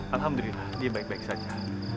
alhamdulillah dia baik baik saja